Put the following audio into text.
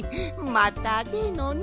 またでのな。